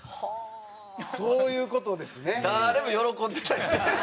そういう事ですね！